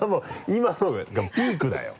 今のがピークだよ。